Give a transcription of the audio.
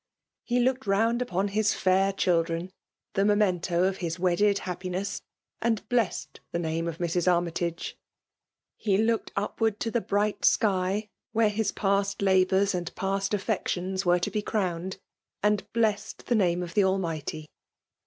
He looked round upon his fur children — ^the memento of hb wedded hap* mBMUX BO«IHAXUBr« IB Iimes& *«Bd blessed the name of Mrs. Armyv tage ; he looked upward to the birigfat sky^ where his past labours and past affiBctioas •were to be crowned, and blessed the name* of tiie Almighty!